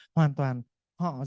hoàn toàn họ